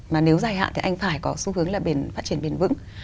mà nếu dài hạn thì anh phải có xu hướng là phát triển bền vững